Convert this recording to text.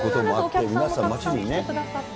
お客さんもたくさん来てくださって。